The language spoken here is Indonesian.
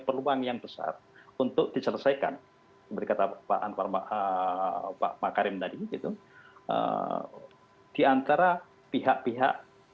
peluang yang besar untuk diselesaikan berkata pak antar pak makarim tadi gitu diantara pihak pihak